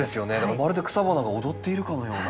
まるで草花が躍っているかのような。